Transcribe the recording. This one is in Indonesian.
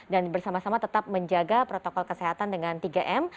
dan bersama sama tetap menjaga protokol kesehatan dengan tiga m